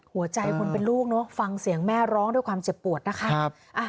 หัวใจคนเป็นลูกเนอะฟังเสียงแม่ร้องด้วยความเจ็บปวดนะคะ